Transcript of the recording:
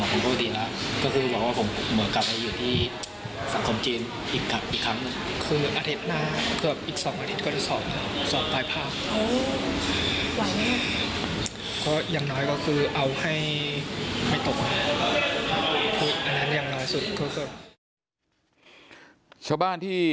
คืออาทิตย์หน้าเกือบอีก๒อาทิตย์เขาจะสอบนะ